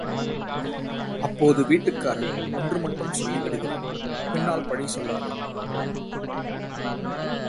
அப்போது வீட்டுக்காரன் ஒன்று மட்டும் சொல்லிவிடுகிறேன், பின்னால் பழி சொல்லாதே.